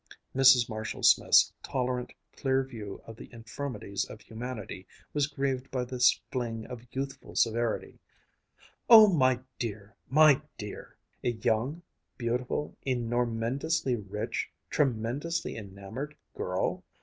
Mrs. Marshall Smith's tolerant, clear view of the infirmities of humanity was grieved by this fling of youthful severity. "Oh, my dear! my dear! A young, beautiful, enormendously rich, tremendously enamored girl?